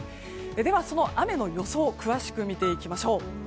では、その雨の予想を詳しく見ていきましょう。